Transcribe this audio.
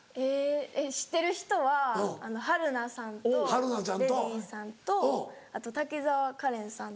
知ってる人は春菜さんとデヴィさんとあと滝沢カレンさんと。